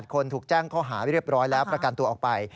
คนถูกแจ้งข้อหาเรียบร้อยแล้วประกันตัวออกไป